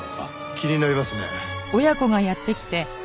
気になりますね。